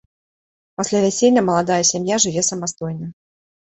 Пасля вяселля маладая сям'я жыве самастойна.